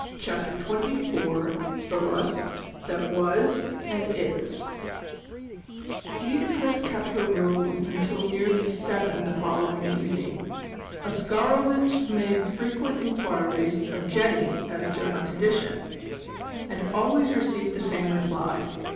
CHAPTER XXIV THE LUST THAT WAS AND IS Nitocris kept her room until nearly seven the following evening. Oscarovitch made frequent enquiries of Jenny as to her condition, and always received the same reply.